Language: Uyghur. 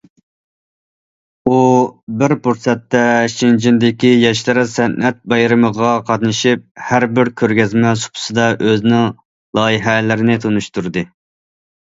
ئۇ بىر پۇرسەتتە شېنجېندىكى ياشلار سەنئەت بايرىمىغا قاتنىشىپ، ھەربىر كۆرگەزمە سۇپىسىدا ئۆزىنىڭ لايىھەلىرىنى تونۇشتۇردى.